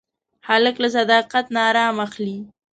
هلک له صداقت نه ارام اخلي.